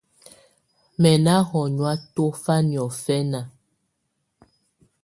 Mɛ̀ nà hɔnyɔ̀á tɔ̀fa nyɔ̀fɛna.